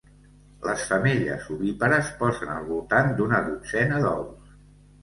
Les femelles ovípares posen al voltant d'una dotzena d'ous.